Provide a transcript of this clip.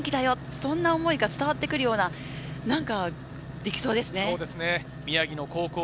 そんな思いが伝わってくるような力走ですね。